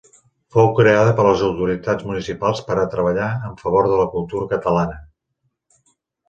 Fou creada per les autoritats municipals per a treballar en favor de la cultura catalana.